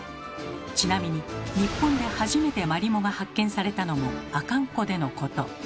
ちなみに日本で初めてマリモが発見されたのも阿寒湖でのこと。